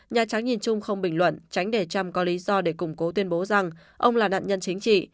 nhà trắng nhìn chung không bình luận tránh để trump có lý do để củng cố tuyên bố rằng ông là nạn nhân chính trị